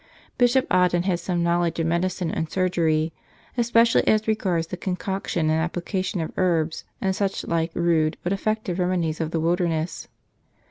Bishop Audin had some knowledge of medicine and surgery, especially as regards the con¬ coction and application of herbs and such like rude but effective remedies of the wilderness.